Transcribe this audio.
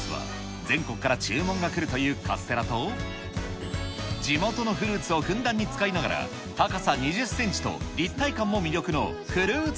名物は全国から注文が来るというカステラと、地元のフルーツをふんだんに使いながら、高さ２０センチと立体感